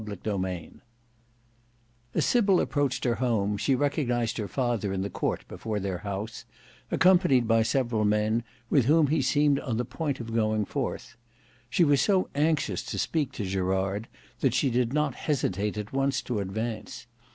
Book 5 Chapter 3 As Sybil approached her home, she recognized her father in the court before their house, accompanied by several men, with whom he seemed on the point of going forth. She was so anxious to speak to Gerard, that she did not hesitate at once to advance.